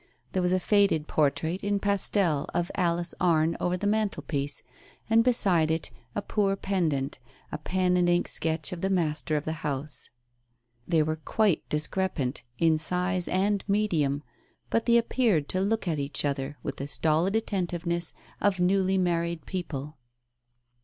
There was a faded portrait in pastel of Alice Arne over the mantelpiece, and beside it, a poor pendant, a pen and ink sketch of the master of the house. They were quite discrepant, in size and medium, but they appeared to look at each other with the stolid attentiveness of newly married people.